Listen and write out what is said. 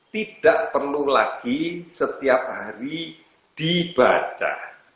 tidak perlu lagi setiap hari dibaca